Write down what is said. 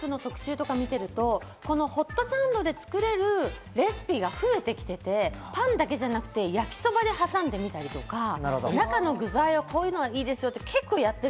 最近キャンプの特集とか見てると、このホットサンドで作れるレシピが増えてきていて、パンだけじゃなくて、焼きそばではさんでみたりとか、中の具材がこういうのがいいですよとか結構やって